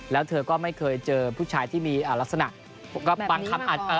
แล้วเธอก็ไม่เคยเจอผู้ชายที่มีลักษณะก็บางคำ